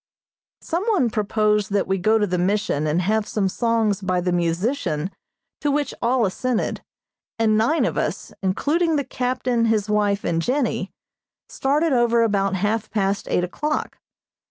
Some one proposed that we go to the Mission and have some songs by the musician, to which all assented, and nine of us, including the captain, his wife and Jennie, started over about half past eight o'clock.